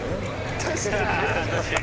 確かに。